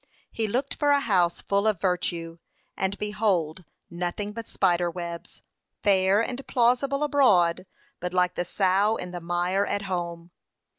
p. 536. 'He looked for a house full of virtue, and behold nothing but spider webs; fair and plausible abroad, but like the sow in the mire at home.'